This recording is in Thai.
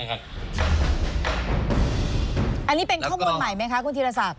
อันนี้เป็นข้อมูลใหม่ไหมคะคุณธีรศักดิ